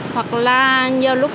hoặc là nhiều lúc